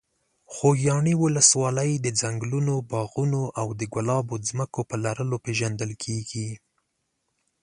خوږیاڼي ولسوالۍ د ځنګلونو، باغونو او د ګلابو ځمکو په لرلو پېژندل کېږي.